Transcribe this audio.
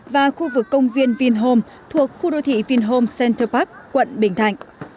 và khu vực công viên vinhome thuộc khu đô thị vinhome center park quận bình thạnh